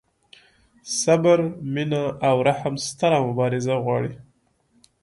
صبر، مینه او رحم ستره مبارزه غواړي.